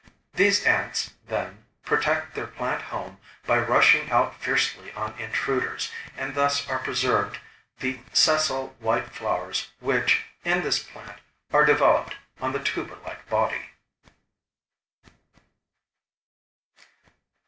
These ants, then, protect their plant home by rushing out fiercely on intruders, and thus are preserved the sessile white flowers which, in this plant, are developed on the tuber like body.